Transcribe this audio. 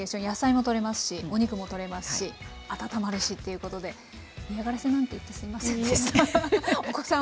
野菜もとれますしお肉もとれますし温まるしということで嫌がらせなんて言ってすいませんでした。